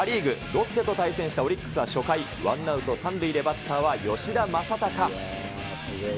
ロッテと対戦したオリックスは初回、ワンアウト３塁でバッターは吉田正尚。